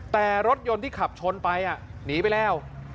แต่รถยนต์ที่ขับชนไปหนีไปแล้ว